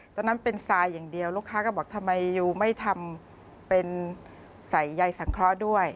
ตอนนั้นเป็นทรายอย่างเดียวลูกค้าก็บอกทำไมยูไม่ทำเป็นใส่ใยสังเคราะห์ด้วย